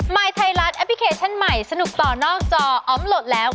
ยไทยรัฐแอปพลิเคชันใหม่สนุกต่อนอกจออมโหลดแล้ว